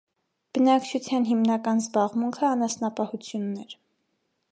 Բնակչության հիմնական զբաղմունքը անսանպահությունն էր։